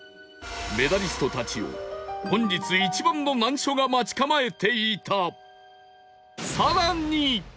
メダリストたちを本日一番の難所が待ち構えていた